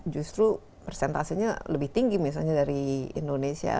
justru persentasenya lebih tinggi misalnya dari indonesia